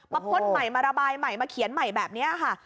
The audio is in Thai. พดใหม่มาระบายใหม่มาเขียนใหม่แบบนี้ค่ะ